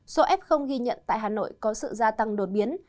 số f ghi nhận tại hà nội có sự gia tăng đột biến